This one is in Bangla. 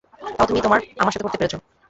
তাও তুমি তোমার আমার সাথে করতে পেরেছো।